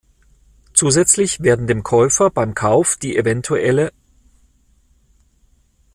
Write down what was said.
Zusätzlich werden dem Käufer beim Kauf die evtl.